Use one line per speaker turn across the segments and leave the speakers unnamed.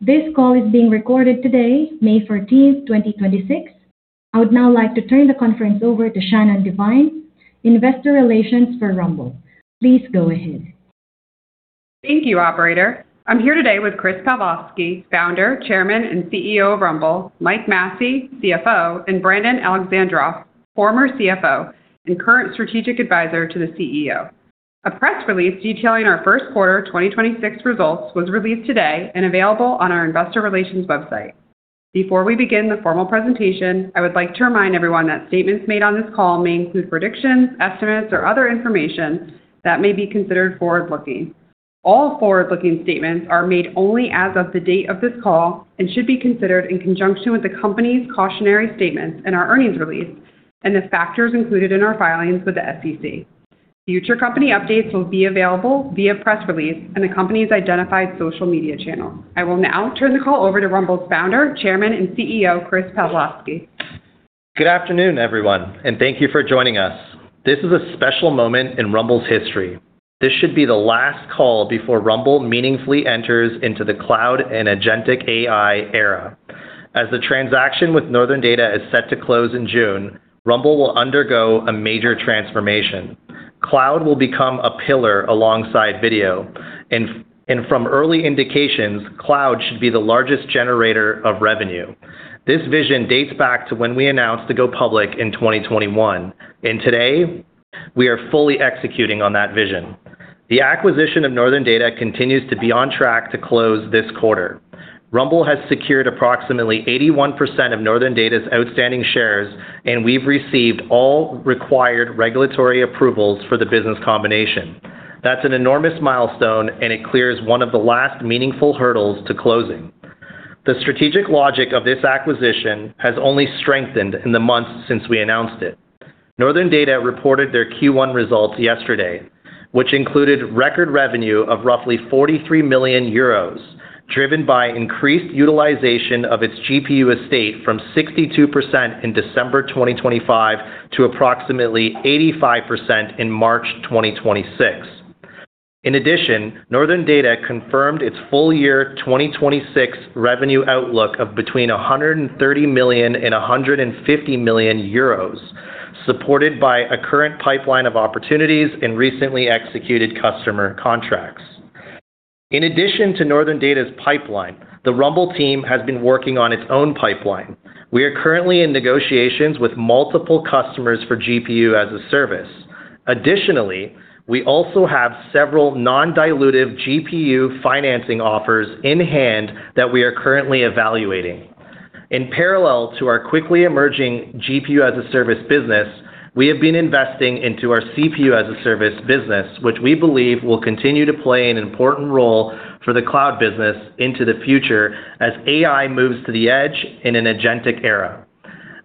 This call is being recorded today, May 14th, 2026. I would now like to turn the conference over to Shannon Devine, investor relations for Rumble. Please go ahead.
Thank you, operator. I'm here today with Chris Pavlovski, Founder, Chairman, and CEO of Rumble; Mike Masci, CFO; and Brandon Alexandroff, former CFO and current Strategic Advisor to the CEO. A press release detailing our first quarter 2026 results was released today and available on our investor relations website. Before we begin the formal presentation, I would like to remind everyone that statements made on this call may include predictions, estimates, or other information that may be considered forward-looking. All forward-looking statements are made only as of the date of this call and should be considered in conjunction with the company's cautionary statements in our earnings release and the factors included in our filings with the SEC. Future company updates will be available via press release in the company's identified social media channel. I will now turn the call over to Rumble's Founder, Chairman, and CEO, Chris Pavlovski.
Good afternoon, everyone, and thank you for joining us. This is a special moment in Rumble's history. This should be the last call before Rumble meaningfully enters into the Cloud and Agentic AI era. As the transaction with Northern Data is set to close in June, Rumble will undergo a major transformation. Cloud will become a pillar alongside video. From early indications, cloud should be the largest generator of revenue. This vision dates back to when we announced to go public in 2021, and today we are fully executing on that vision. The acquisition of Northern Data continues to be on track to close this quarter. Rumble has secured approximately 81% of Northern Data's outstanding shares, and we've received all required regulatory approvals for the business combination. That's an enormous milestone, and it clears one of the last meaningful hurdles to closing. The strategic logic of this acquisition has only strengthened in the months since we announced it. Northern Data reported their Q1 results yesterday, which included record revenue of roughly 43 million euros, driven by increased utilization of its GPU estate from 62% in December 2025 to approximately 85% in March 2026. In addition, Northern Data confirmed its full year 2026 revenue outlook of between 130 million and 150 million euros, supported by a current pipeline of opportunities and recently executed customer contracts. In addition to Northern Data's pipeline, the Rumble team has been working on its own pipeline. We are currently in negotiations with multiple customers for GPU as a service. Additionally, we also have several non-dilutive GPU financing offers in hand that we are currently evaluating. In parallel to our quickly emerging GPU as a service business, we have been investing into our CPU as a service business, which we believe will continue to play an important role for the cloud business into the future as AI moves to the edge in an agentic era.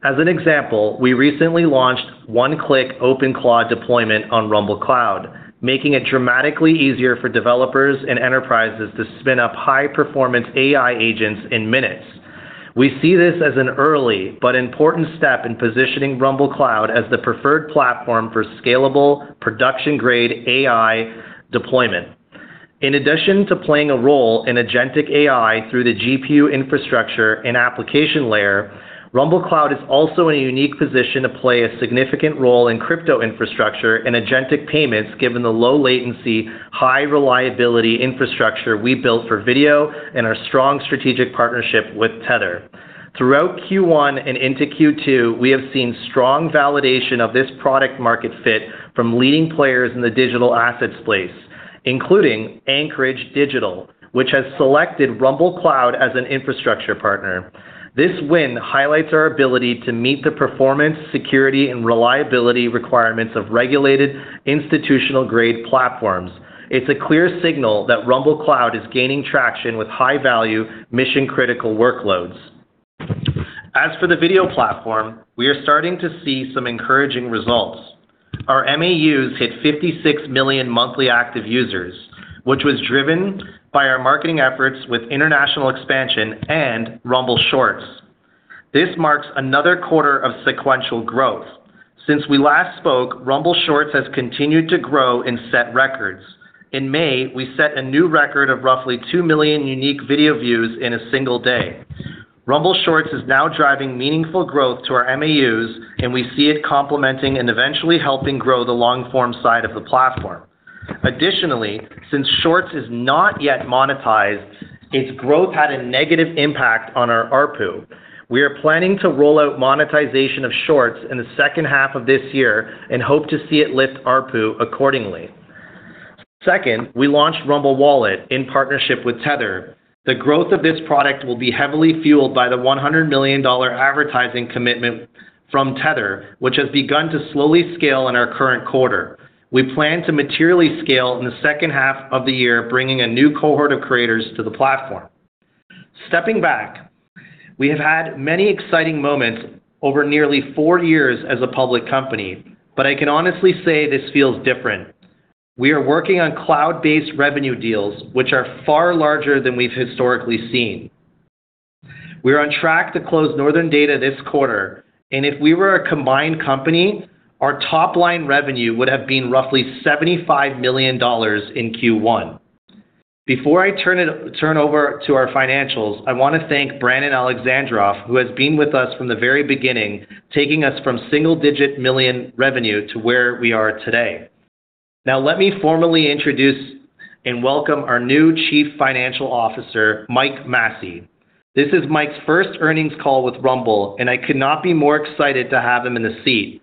As an example, we recently launched one-click OpenClaw deployment on Rumble Cloud, making it dramatically easier for developers and enterprises to spin up high-performance AI agents in minutes. We see this as an early but important step in positioning Rumble Cloud as the preferred platform for scalable production-grade AI deployment. In addition to playing a role in agentic AI through the GPU infrastructure and application layer, Rumble Cloud is also in a unique position to play a significant role in crypto infrastructure and agentic payments, given the low latency, high reliability infrastructure we built for video and our strong strategic partnership with Tether. Throughout Q1 and into Q2, we have seen strong validation of this product market fit from leading players in the digital assets space, including Anchorage Digital, which has selected Rumble Cloud as an infrastructure partner. This win highlights our ability to meet the performance, security, and reliability requirements of regulated institutional-grade platforms. It's a clear signal that Rumble Cloud is gaining traction with high-value mission-critical workloads. As for the video platform, we are starting to see some encouraging results. Our MAUs hit 56 million monthly active users, which was driven by our marketing efforts with international expansion and Rumble Shorts. This marks another quarter of sequential growth. Since we last spoke, Rumble Shorts has continued to grow and set records. In May, we set a new record of roughly 2 million unique video views in a single day. Rumble Shorts is now driving meaningful growth to our MAUs, and we see it complementing and eventually helping grow the long-form side of the platform. Additionally, since Shorts is not yet monetized, its growth had a negative impact on our ARPU. We are planning to roll out monetization of Shorts in the second half of this year and hope to see it lift ARPU accordingly. Second, we launched Rumble Wallet in partnership with Tether. The growth of this product will be heavily fueled by the $100 million advertising commitment from Tether, which has begun to slowly scale in our current quarter. We plan to materially scale in the second half of the year, bringing a new cohort of creators to the platform. Stepping back, we have had many exciting moments over nearly four years as a public company, but I can honestly say this feels different. We are working on cloud-based revenue deals, which are far larger than we've historically seen. We're on track to close Northern Data this quarter, and if we were a combined company, our top-line revenue would have been roughly $75 million in Q1. Before I turn over to our financials, I wanna thank Brandon Alexandroff, who has been with us from the very beginning, taking us from single-digit million revenue to where we are today. Let me formally introduce and welcome our new Chief Financial Officer, Mike Masci. This is Mike's first earnings call with Rumble, and I could not be more excited to have him in the seat.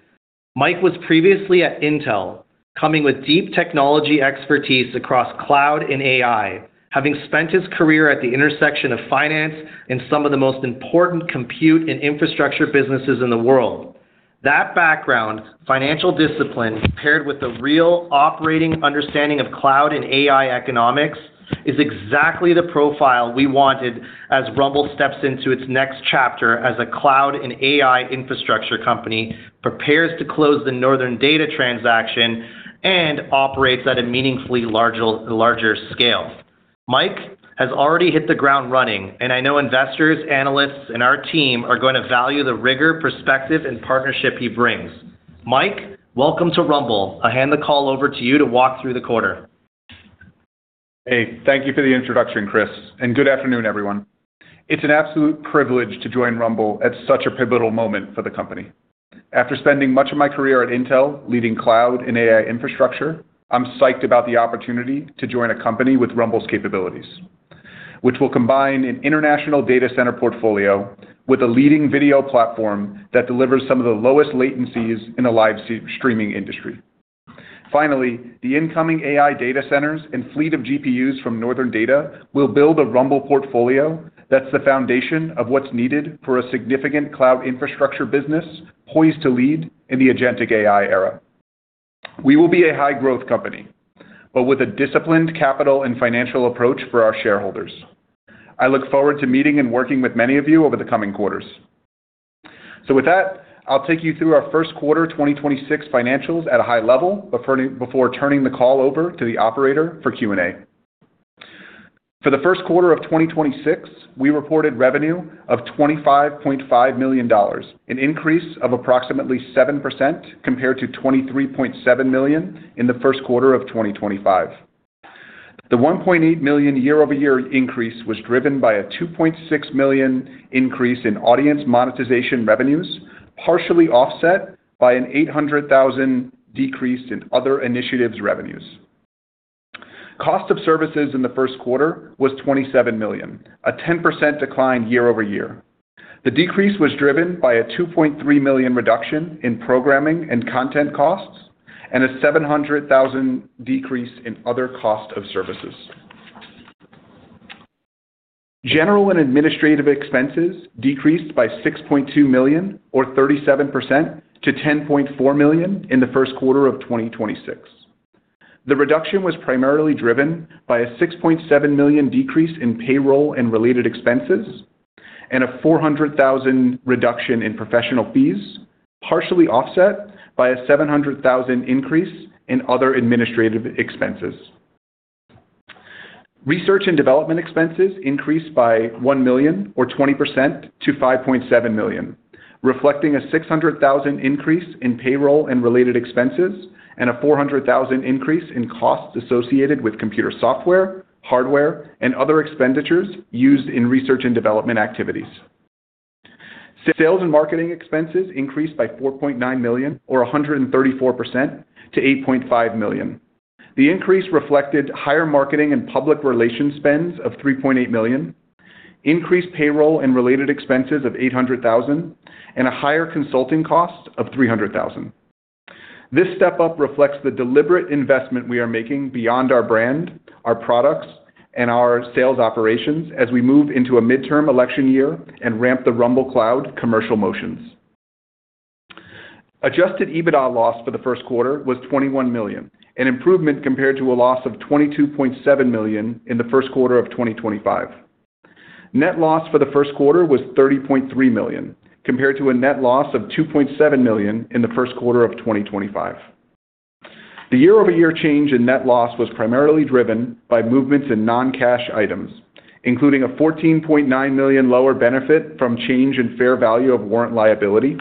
Mike was previously at Intel, coming with deep technology expertise across cloud and AI, having spent his career at the intersection of finance in some of the most important compute and infrastructure businesses in the world. That background, financial discipline, paired with the real operating understanding of cloud and AI economics, is exactly the profile we wanted as Rumble steps into its next chapter as a cloud and AI infrastructure company prepares to close the Northern Data transaction and operates at a meaningfully larger scale. Mike has already hit the ground running, and I know investors, analysts, and our team are gonna value the rigor, perspective, and partnership he brings. Mike, welcome to Rumble. I hand the call over to you to walk through the quarter.
Hey, thank you for the introduction, Chris, and good afternoon, everyone. It's an absolute privilege to join Rumble at such a pivotal moment for the company. After spending much of my career at Intel, leading cloud and AI infrastructure, I'm psyched about the opportunity to join a company with Rumble's capabilities, which will combine an international data center portfolio with a leading video platform that delivers some of the lowest latencies in the live streaming industry. The incoming AI data centers and fleet of GPUs from Northern Data will build a Rumble portfolio that's the foundation of what's needed for a significant cloud infrastructure business poised to lead in the agentic AI era. We will be a high-growth company, with a disciplined capital and financial approach for our shareholders. I look forward to meeting and working with many of you over the coming quarters. With that, I'll take you through our first quarter 2026 financials at a high level before turning the call over to the operator for Q&A. For the first quarter of 2026, we reported revenue of $25.5 million, an increase of approximately 7% compared to $23.7 million in the first quarter of 2025. The $1.8 million year-over-year increase was driven by a $2.6 million increase in audience monetization revenues, partially offset by an $800,000 decrease in other initiatives revenues. Cost of services in the first quarter was $27 million, a 10% decline year-over-year. The decrease was driven by a $2.3 million reduction in programming and content costs and a $700,000 decrease in other cost of services. General and administrative expenses decreased by $6.2 million or 37% to $10.4 million in the first quarter of 2026. The reduction was primarily driven by a $6.7 million decrease in payroll and related expenses and a $400,000 reduction in professional fees, partially offset by a $700,000 increase in other administrative expenses. Research and development expenses increased by $1 million or 20% to $5.7 million, reflecting a $600,000 increase in payroll and related expenses and a $400,000 increase in costs associated with computer software, hardware, and other expenditures used in research and development activities. Sales and marketing expenses increased by $4.9 million or 134% to $8.5 million. The increase reflected higher marketing and public relations spends of $3.8 million, increased payroll and related expenses of $800,000, and a higher consulting cost of $300,000. This step-up reflects the deliberate investment we are making beyond our brand, our products, and our sales operations as we move into a midterm election year and ramp the Rumble Cloud commercial motions. Adjusted EBITDA loss for the first quarter was $21 million, an improvement compared to a loss of $22.7 million in the first quarter of 2025. Net loss for the first quarter was $30.3 million, compared to a net loss of $2.7 million in the first quarter of 2025. The year-over-year change in net loss was primarily driven by movements in non-cash items, including a $14.9 million lower benefit from change in fair value of warrant liability,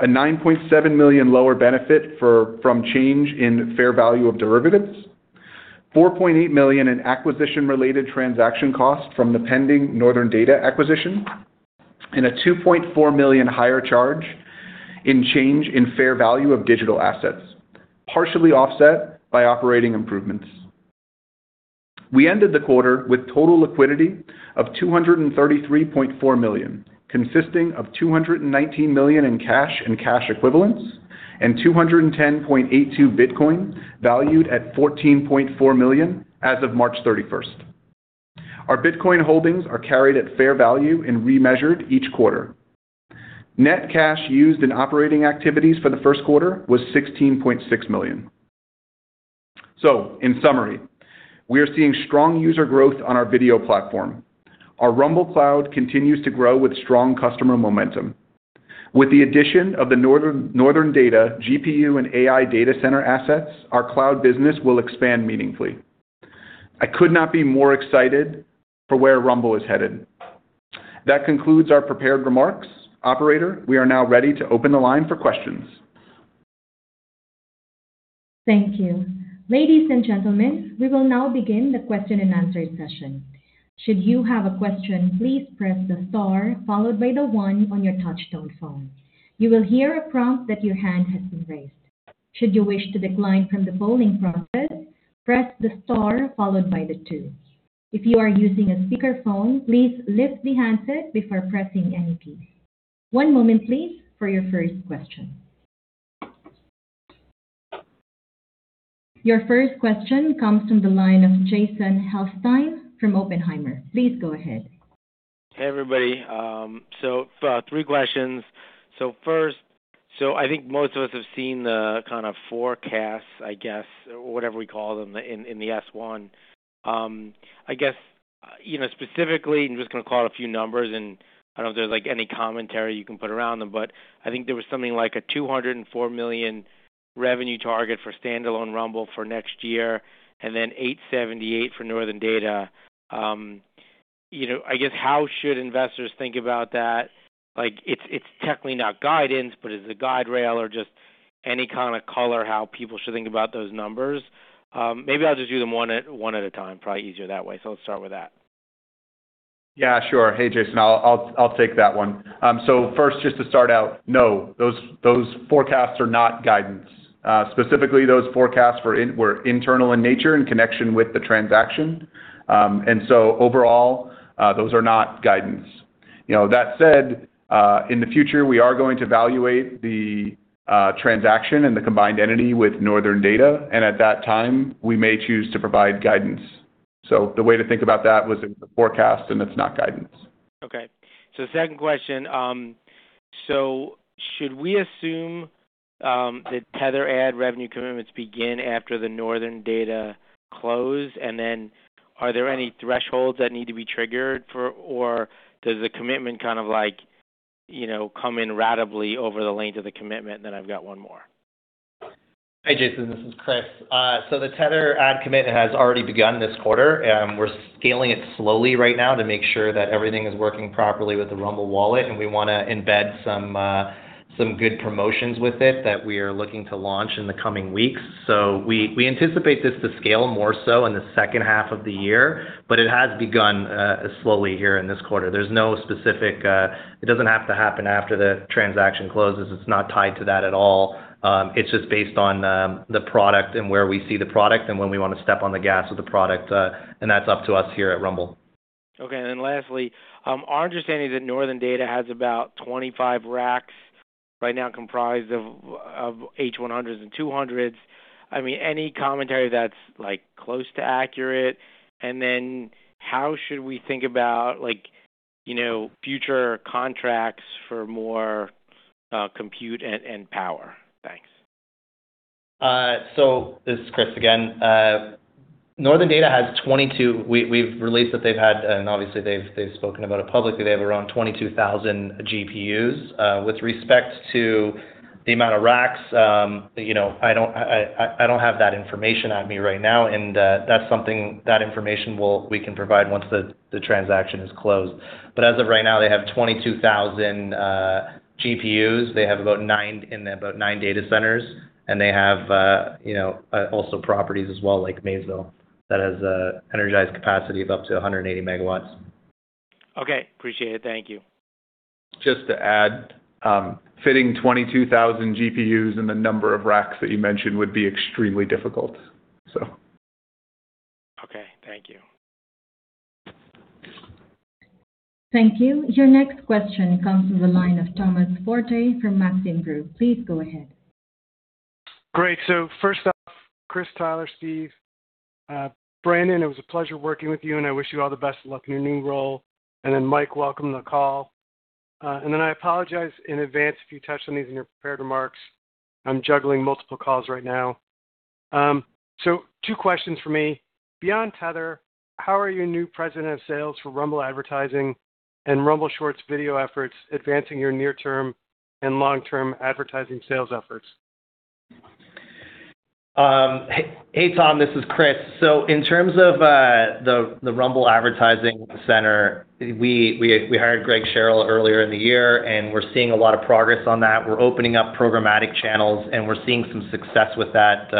a $9.7 million lower benefit from change in fair value of derivatives, $4.8 million in acquisition-related transaction costs from the pending Northern Data acquisition, and a $2.4 million higher charge in change in fair value of digital assets, partially offset by operating improvements. We ended the quarter with total liquidity of $233.4 million, consisting of $219 million in cash and cash equivalents and 210.82 Bitcoin, valued at $14.4 million as of March 31st. Our Bitcoin holdings are carried at fair value and remeasured each quarter. Net cash used in operating activities for the first quarter was $16.6 million. In summary, we are seeing strong user growth on our video platform. Our Rumble Cloud continues to grow with strong customer momentum. With the addition of the Northern Data, GPU, and AI data center assets, our cloud business will expand meaningfully. I could not be more excited for where Rumble is headed. That concludes our prepared remarks. Operator, we are now ready to open the line for questions.
Thank you. Ladies and gentlemen, we will now begin the question and answer session. One moment please for your first question. Your first question comes from the line of Jason Helfstein from Oppenheimer. Please go ahead.
Hey, everybody. Three questions. First, I think most of us have seen the kind of forecasts, I guess, or whatever we call them in the S-1. I guess, you know, specifically, I'm just going to call out a few numbers, and I don't know if there's, like, any commentary you can put around them. I think there was something like a $204 million revenue target for standalone Rumble for next year, and then $878 million for Northern Data. You know, I guess how should investors think about that? Like it's technically not guidance, but is it a guide rail or just any kind of color how people should think about those numbers? Maybe I'll just do them one at a time. Probably easier that way. Let's start with that.
Yeah, sure. Hey, Jason. I'll take that one. First, just to start out, no, those forecasts are not guidance. Specifically, those forecasts were internal in nature in connection with the transaction. Overall, those are not guidance. You know, that said, in the future, we are going to evaluate the transaction and the combined entity with Northern Data, and at that time, we may choose to provide guidance. The way to think about that was a forecast, and it's not guidance.
Okay. Second question. Should we assume that Tether ad revenue commitments begin after the Northern Data close? Are there any thresholds that need to be triggered or does the commitment kind of like, you know, come in ratably over the length of the commitment? I've got one more.
Hey, Jason, this is Chris. The Tether ad commitment has already begun this quarter. We're scaling it slowly right now to make sure that everything is working properly with the Rumble Wallet, and we wanna embed some good promotions with it that we are looking to launch in the coming weeks. We anticipate this to scale more so in the second half of the year, but it has begun slowly here in this quarter. There's no specific. It doesn't have to happen after the transaction closes. It's not tied to that at all. It's just based on the product and where we see the product and when we wanna step on the gas with the product. That's up to us here at Rumble.
Okay. Lastly, our understanding is that Northern Data has about 25 racks right now comprised of H100s and 200s. I mean, any commentary that's, like, close to accurate? How should we think about, like, you know, future contracts for more compute and power? Thanks.
This is Chris again. Northern Data has, we've released that they've had, and obviously they've spoken about it publicly, they have around 22,000 GPUs. With respect to the amount of racks, you know, I don't have that information on me right now. That information we can provide once the transaction is closed. As of right now, they have 22,000 GPUs. They have in about nine data centers, and they have, you know, also properties as well, like Maysville, that has a energized capacity of up to 180 MW.
Okay. Appreciate it. Thank you.
Just to add, fitting 22,000 GPUs in the number of racks that you mentioned would be extremely difficult.
Okay. Thank you.
Thank you. Your next question comes from the line of Thomas Forte from Maxim Group. Please go ahead.
Great. first off, Chris, Tyler, Steve, Brandon, it was a pleasure working with you, and I wish you all the best of luck in your new role. Mike, welcome to the call. I apologize in advance if you touched on these in your prepared remarks. I'm juggling multiple calls right now. Two questions from me. Beyond Tether, how are your new President of Sales for Rumble Advertising and Rumble Shorts video efforts advancing your near-term and long-term advertising sales efforts?
Hey, Tom, this is Chris. In terms of the Rumble Advertising Center, we hired Greg Sherrill earlier in the year, and we're seeing a lot of progress on that. We're opening up programmatic channels, and we're seeing some success with that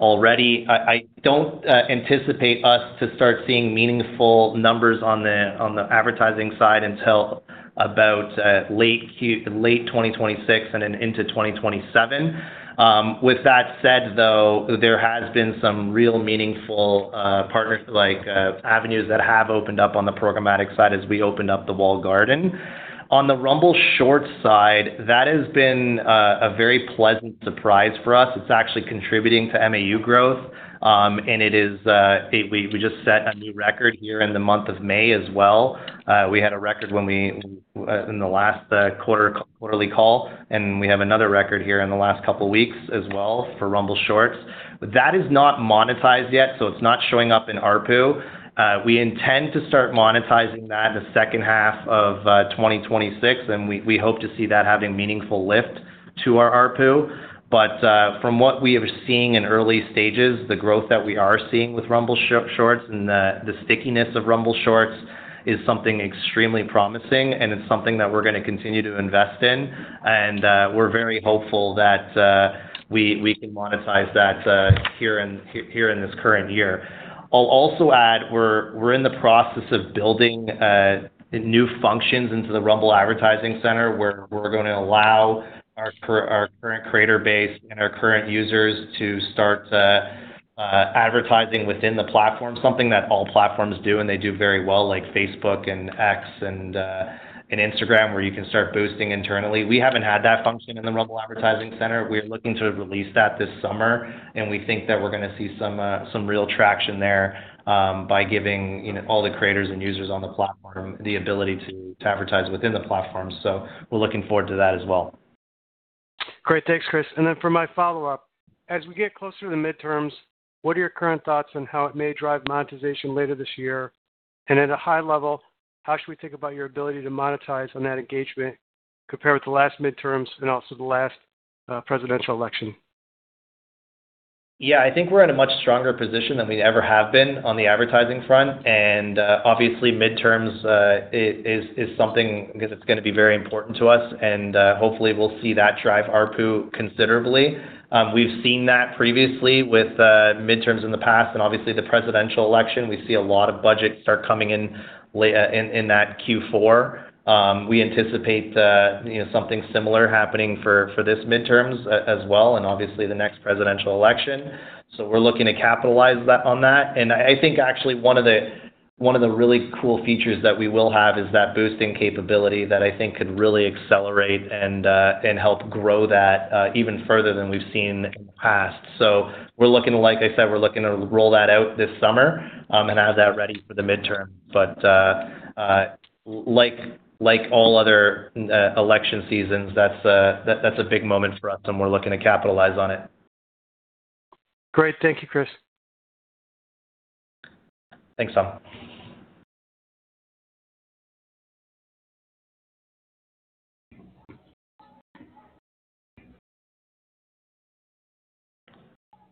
already. I don't anticipate us to start seeing meaningful numbers on the advertising side until about late 2026 and then into 2027. With that said, though, there has been some real meaningful partners, like avenues that have opened up on the programmatic side as we opened up the walled garden. On the Rumble Shorts side, that has been a very pleasant surprise for us. It's actually contributing to MAU growth. It is, we just set a new record here in the month of May as well. We had a record when we in the last quarter, quarterly call, and we have another record here in the last couple weeks as well for Rumble Shorts. That is not monetized yet, so it's not showing up in ARPU. We intend to start monetizing that in the second half of 2026, and we hope to see that having meaningful lift to our ARPU. From what we are seeing in early stages, the growth that we are seeing with Rumble Shorts and the stickiness of Rumble Shorts is something extremely promising, and it's something that we're gonna continue to invest in. We're very hopeful that we can monetize that here in this current year. I'll also add we're in the process of building new functions into the Rumble Advertising Center, where we're gonna allow our current creator base and our current users to start advertising within the platform, something that all platforms do, and they do very well, like Facebook and X and Instagram, where you can start boosting internally. We haven't had that function in the Rumble Advertising Center. We're looking to release that this summer, and we think that we're gonna see some real traction there, by giving, you know, all the creators and users on the platform the ability to advertise within the platform. We're looking forward to that as well.
Great. Thanks, Chris. Then for my follow-up, as we get closer to the midterms, what are your current thoughts on how it may drive monetization later this year? At a high level, how should we think about your ability to monetize on that engagement compared with the last midterms and also the last presidential election?
I think we're in a much stronger position than we ever have been on the advertising front. Obviously midterms is something because it's going to be very important to us, and hopefully we'll see that drive ARPU considerably. We've seen that previously with midterms in the past and obviously the presidential election. We see a lot of budgets start coming in in that Q4. We anticipate, you know, something similar happening for this midterms as well and obviously the next presidential election. We're looking to capitalize on that. I think actually one of the really cool features that we will have is that boosting capability that I think could really accelerate and help grow that even further than we've seen in the past. Like I said, we're looking to roll that out this summer, and have that ready for the midterm. Like all other election seasons, that's a big moment for us, and we're looking to capitalize on it.
Great. Thank you, Chris.
Thanks, Tom.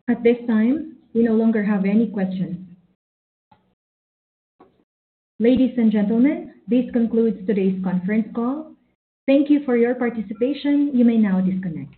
At this time, we no longer have any questions. Ladies and gentlemen, this concludes today's conference call. Thank you for your participation. You may now disconnect.